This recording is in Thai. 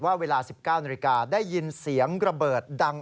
ว่าเวลา๑๙นได้ยินเสียงกระเบิดดัง